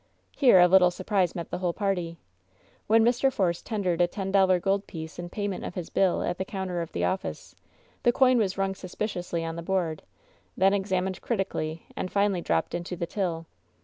Here a little surprise met the whole party. When Mr. Force tendered a ten dollar goldpiece in payment of his bill at the coimter of the office, the coin was rung sus piciously on the board, then examined critically, and finally dropped into the till.